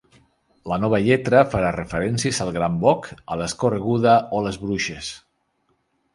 La nova lletra farà referències al gran boc, a l’escorreguda o les bruixes.